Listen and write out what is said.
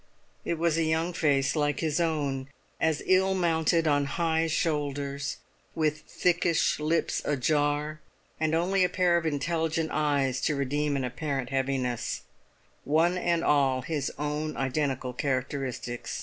It was a young face like his own, as ill mounted on high shoulders, with thickish lips ajar, and only a pair of intelligent eyes to redeem an apparent heaviness: one and all his own identical characteristics.